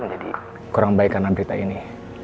kurang baik karena berita ini